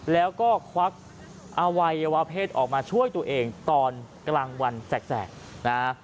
แล้วก็ควักอวัยวะเพศออกมาช่วยตัวเองตอนกลางวันแสกนะฮะ